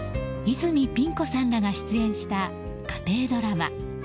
泉ピン子さんらが出演した家庭ドラマ